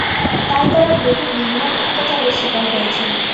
তাই তারা বহু নির্মম অত্যাচারের স্বীকার হয়েছেন।